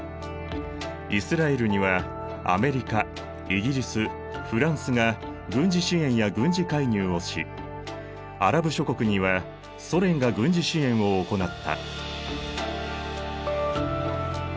イスラエルにはアメリカイギリスフランスが軍事支援や軍事介入をしアラブ諸国にはソ連が軍事支援を行った。